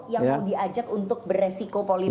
yang mau diajak untuk beresiko politik